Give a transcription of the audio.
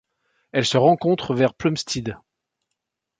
Elle se rencontre vers Plumstead.